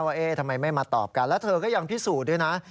ว่าทำไมไม่มาตอบกันแล้วเธอก็ยังพิสูจน์ด้วยนะ